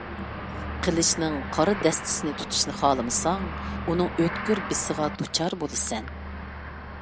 قىلىچنىڭ قارا دەستىسىنى تۇتۇشنى خالىمىساڭ، ئۇنىڭ ئۆتكۈر بىسىغا دۇچار بولىسەن!